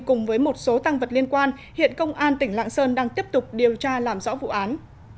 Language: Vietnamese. cùng với một số tăng vật liên quan hiện công an tỉnh lạng sơn đang tiếp tục điều tra làm rõ vụ án